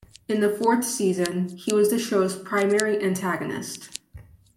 In the fourth season, he was the show's primary antagonist.